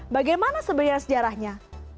bagaimana sebenarnya sejarahnya